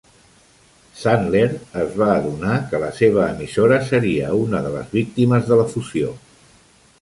Sandler es va adonar que la seva emissora seria una de les víctimes de la fusió.